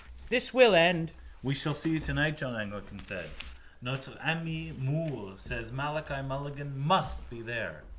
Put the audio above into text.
This will end. —We shall see you tonight, John Eglinton said. Notre ami Moore says Malachi Mulligan must be there.